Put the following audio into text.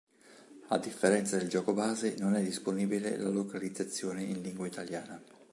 A differenza del gioco base, non è disponibile la localizzazione in lingua italiana.